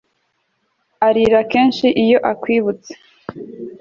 arira kenshi iyo akwibutse